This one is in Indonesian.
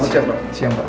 sama siap pak